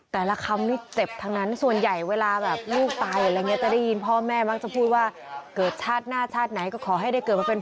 คำนี้เจ็บทั้งนั้นส่วนใหญ่เวลาแบบลูกตายอะไรอย่างนี้จะได้ยินพ่อแม่มักจะพูดว่าเกิดชาติหน้าชาติไหนก็ขอให้ได้เกิดมาเป็น